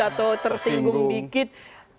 atau tersinggung sedikit